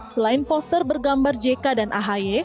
selain poster bergambar jk dan ahy